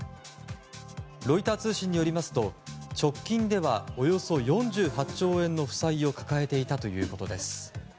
ロイター通信によりますと直近ではおよそ４８兆円の負債を抱えていたということです。